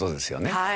はい。